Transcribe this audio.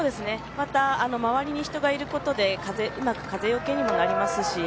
周りに人がいることで風よけにもなります。